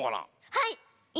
はい。